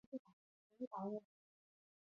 雅戈丁那是位于塞尔维亚中部的一个城市。